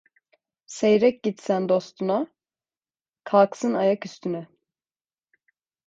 Seyrek git sen dostuna, kalksın ayak üstüne.